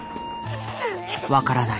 分からない。